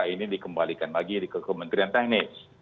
ini dikembalikan lagi ke kementerian teknis